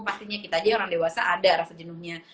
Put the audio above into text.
pastinya kita aja orang dewasa ada rasa jenuhnya